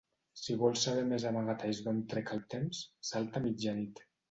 Si vols saber més amagatalls d'on trec el temps, salta a mitjanit.